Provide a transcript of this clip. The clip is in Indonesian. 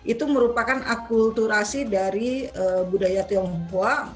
itu merupakan akulturasi dari budaya tionghoa